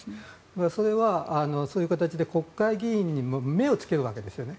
それはそういう形で国会議員に目をつけるわけですよね。